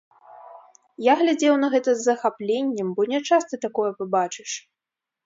Я глядзеў на гэта з захапленнем, бо нячаста такое пабачыш.